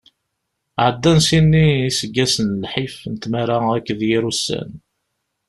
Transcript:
Ɛeddan ssin-nni n iseggasen n lḥif, n tmara akked yir ussan.